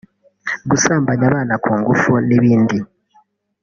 gusambanya abana ku ngufu n’ibindi